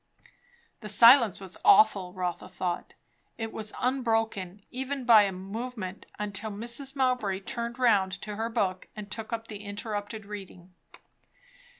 The silence was awful, Rotha thought. It was unbroken, even by a movement, until Mrs. Mowbray turned round to her book and took up the interrupted reading.